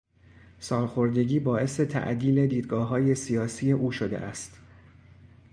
سالخوردگی باعث تعدیل دیدگاههای سیاسی او شده است.